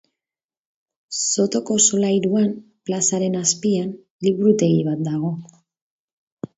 Sotoko solairuan, plazaren azpian, liburutegi bat dago.